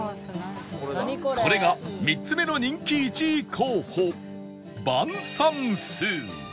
これが３つ目の人気１位候補拌三絲